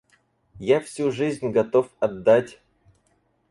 Я всю жизнь готов отдать...